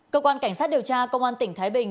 cơ quan cảnh sát điều tra công an tỉnh thái bình